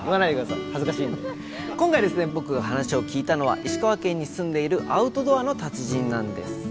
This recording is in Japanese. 僕が話を聞いたのは石川県に住んでいるアウトドアの達人なんです。